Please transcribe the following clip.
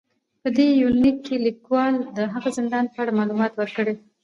په دې يونليک کې ليکوال د هغه زندان په اړه معلومات ور کړي